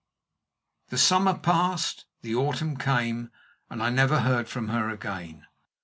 The summer passed, the autumn came, and I never heard from her again.